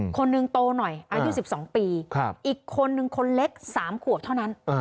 คนนึงโตหน่อยอายุสิบสองปีครับอีกคนนึงคนเล็กสามขัวเท่านั้น